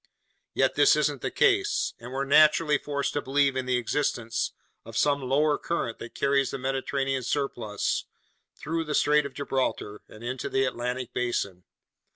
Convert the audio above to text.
Yet this isn't the case, and we're naturally forced to believe in the existence of some lower current that carries the Mediterranean's surplus through the Strait of Gibraltar and into the Atlantic basin.